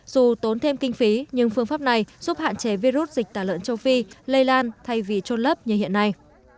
dù tốn thêm kinh phí nhưng phương pháp này giúp hạn chế virus dịch tả lợn châu phi lây lan thay vì trôn lấp như hiện nay